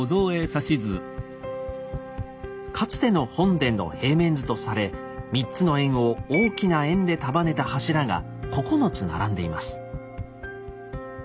かつての本殿の平面図とされ３つの円を大きな円で束ねた柱が９つ並んでいます。